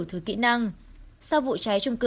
thứ kỹ năng sau vụ cháy trung cư